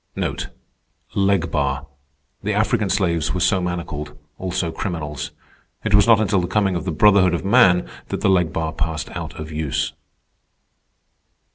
Leg bar—the African slaves were so manacled; also criminals. It was not until the coming of the Brotherhood of Man that the leg bar passed out of use.